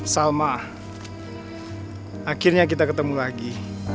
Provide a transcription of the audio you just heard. salma akhirnya kita ketemu lagi